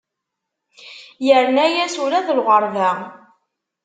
Yerna-as ula d lɣerba.